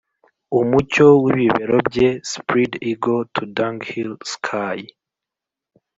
umucyo wibibero bye, spreadeagle to dunghill sky,